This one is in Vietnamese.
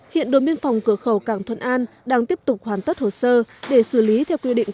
hiện đồn biên phòng cửa khẩu cảng thuận an đang tiếp tục hoàn tất hồ sơ để xử lý theo quy định